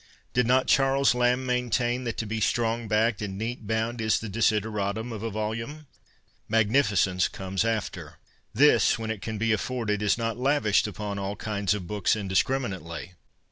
Did not Charles Lamb maintain that to be strong backed and neat bound is the desidera tum of a volume ?' Magnificence comes after. This, when it can be afforded, is not lavished upon all kinds of books indiscriminately.